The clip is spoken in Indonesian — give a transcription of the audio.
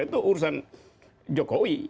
itu urusan jokowi